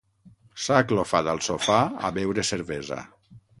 S'ha aclofat al sofà a beure cervesa.